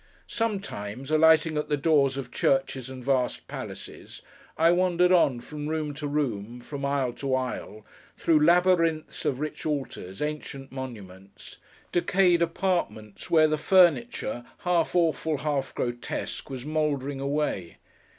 Sometimes, alighting at the doors of churches and vast palaces, I wandered on, from room to room, from aisle to aisle, through labyrinths of rich altars, ancient monuments; decayed apartments where the furniture, half awful, half grotesque, was mouldering away.